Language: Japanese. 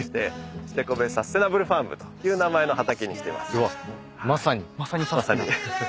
うわっまさに。